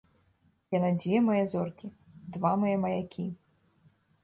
Яны дзве мае зоркі, два мае маякі.